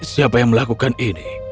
siapa yang melakukan ini